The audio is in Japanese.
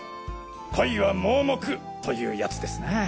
恋は盲目というやつですな。